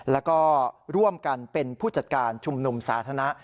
แล้วก็ร่วมกันเป็นผู้จัดการชุมนุมสาธารณะ